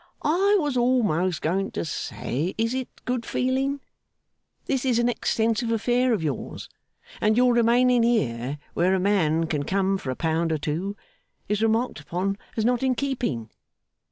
'I was almost going to say, is it good feeling? This is an extensive affair of yours; and your remaining here where a man can come for a pound or two, is remarked upon as not in keeping.